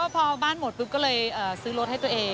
พอบ้านหมดปุ๊บก็เลยซื้อรถให้ตัวเอง